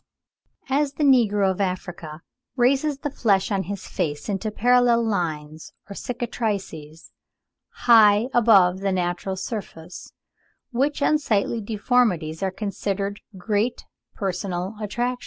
As the negro of Africa raises the flesh on his face into parallel ridges "or cicatrices, high above the natural surface, which unsightly deformities are considered great personal attractions" (34.